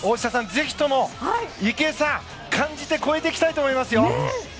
ぜひとも池江さん感じて、超えていきたいと思いますよ！